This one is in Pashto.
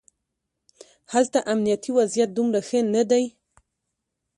هلته امنیتي وضعیت دومره ښه نه دی.